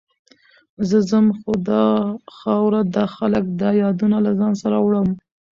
زه ځم، خو دا خاوره، دا خلک، دا یادونه له ځان سره وړم.